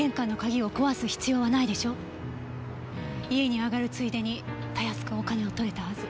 家に上がるついでにたやすくお金を盗れたはず。